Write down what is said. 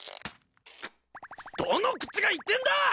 どの口が言ってんだ！